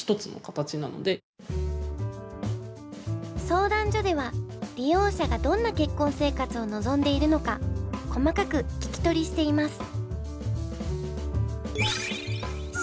相談所では利用者がどんな結婚生活を望んでいるのか細かく聞き取りしています。